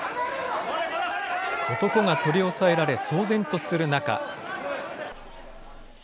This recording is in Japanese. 男が取り押さえられ騒然とする中。